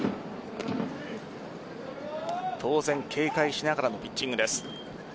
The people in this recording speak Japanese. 当然警戒しながらのピッチングです。